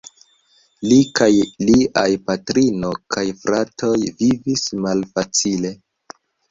Li kaj liaj patrino kaj fratoj vivis malfacile.